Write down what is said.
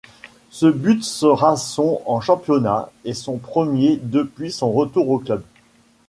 Ce but sera son en championnat et son premier depuis son retour au club.